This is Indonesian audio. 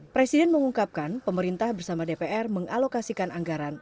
presiden mengungkapkan pemerintah bersama dpr mengalokasikan anggaran